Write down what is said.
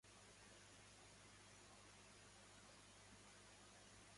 خود را گم کردن